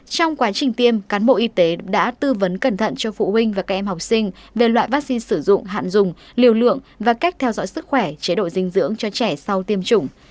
trong quá trình tiêm cán bộ y tế đã tư vấn cẩn thận cho phụ huynh và các em học sinh về loại vaccine sử dụng hạn dùng liều lượng và cách theo dõi sức khỏe chế độ dinh dưỡng cho trẻ sau tiêm chủng